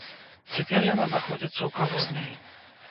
Цяпер яна знаходзіцца ў калоніі.